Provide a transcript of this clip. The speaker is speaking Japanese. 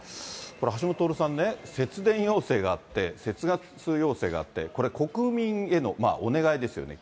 これ、橋下徹さんね、節電要請があって、節ガス要請があって、これ、国民へのお願いですよね。